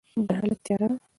جهالت تیاره ده.